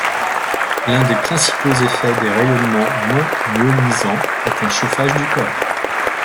L'un des principaux effets des rayonnements non-ionisants est un chauffage du corps.